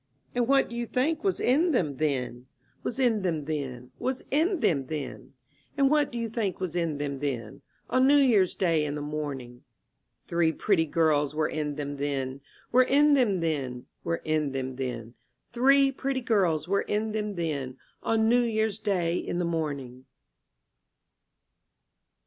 And what do you think was in them then, Was in them then, was in them then? And what do you think was in them then. On New Year's Day in the morning? Three pretty girls were in them then. Were in them then, were in them then; Three pretty girls were in them then, On New Year's Day in the morning.